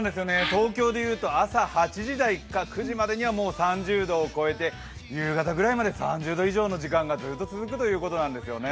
東京でいうと朝８時台か９時までに３０度を超えて、夕方ぐらいまで３０度ぐらいの時間がずっと続くということなんです。